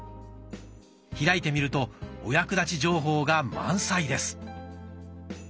開いてみるとお役立ち情報が満載です。